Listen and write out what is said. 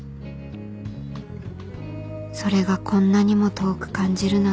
それがこんなにも遠く感じるなんて